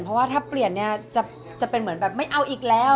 เพราะว่าถ้าเปลี่ยนเนี่ยจะเป็นเหมือนแบบไม่เอาอีกแล้ว